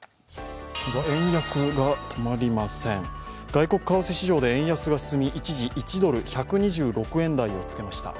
外国為替市場で円安が進み、一時１ドル＝１２６円台をつけました。